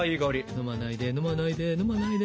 飲まないで飲まないで飲まないで。